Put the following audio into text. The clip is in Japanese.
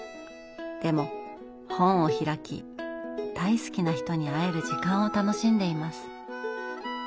でも本を開き大好きな人に会える時間を楽しんでいます。